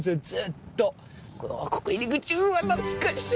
ここ入り口うわ懐かしい！